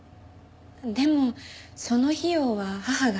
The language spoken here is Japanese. でもその費用は母が。